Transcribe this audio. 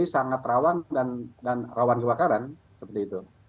dan juga ada yang terdapat rawan dan rawan kebakaran seperti itu